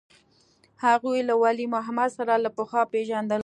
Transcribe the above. هغوى له ولي محمد سره له پخوا پېژندل.